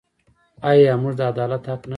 آیا موږ د عدالت حق نلرو؟